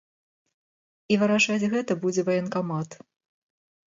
І вырашаць гэта будзе ваенкамат.